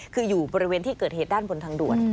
คืออยู่บริเวณที่เกิดเหตุด้านบนทางด่วน